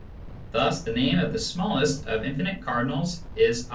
Thus the name of the smallest of infinite cardinals is N